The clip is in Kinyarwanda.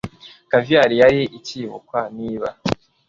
caviar yari ikibukwa. niba